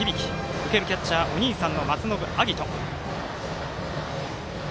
受けるキャッチャーお兄さんの松延晶音。